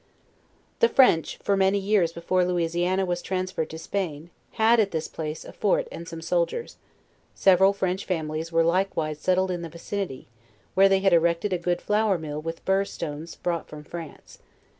The French, for many years before .Louisiana was trans ferred to Spain, had, at this place, a fort and some soldiers; several French families were likewise settled in the vicinity, where they had erected a good flour mill with burr stones brought from France.